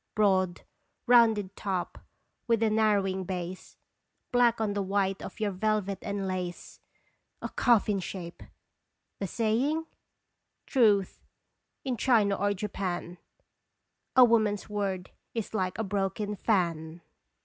Broad, rounded top with a narrowing base, Black on the white of your velvet and lace, A coffin shape ! The saying ? Truth in China or Japan A woman's word is like a broken fan